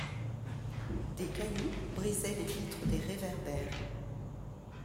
Des cailloux brisaient les vitres des réverbères.